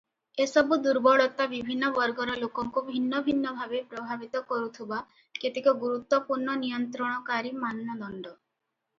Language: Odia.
ଏସବୁ ଦୁର୍ବଳତା ବିଭିନ୍ନ ବର୍ଗର ଲୋକଙ୍କୁ ଭିନ୍ନ ଭିନ୍ନ ଭାବେ ପ୍ରଭାବିତ କରୁଥିବା କେତେକ ଗୁରୁତ୍ୱପୂର୍ଣ୍ଣ ନିୟନ୍ତ୍ରଣକାରୀ ମାନଦଣ୍ଡ ।